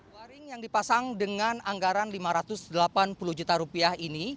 waring yang dipasang dengan anggaran lima ratus delapan puluh juta rupiah ini